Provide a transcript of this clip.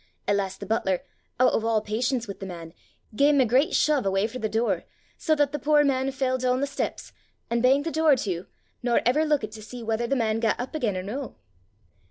At last the butler, oot o' a' patience wi' the man, gae him a great shove awa' frae the door sae that the poor man fell doon the steps, an' bangt the door to, nor ever lookit to see whether the man gat up again or no.